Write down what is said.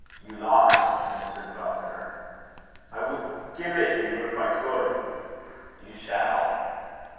"You lie," answered Falconer. "I would give it you if I could." "You shall."